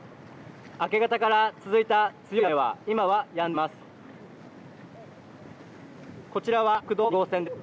明け方から続いた強い雨は今はやんでいます。